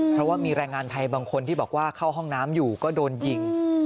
เพราะว่ามีแรงงานไทยบางคนที่บอกว่าเข้าห้องน้ำอยู่ก็โดนยิง